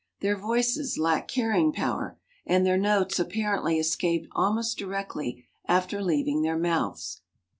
Their voices lack carrying power, and their notes apparently escape almost directly after leaving their mouths.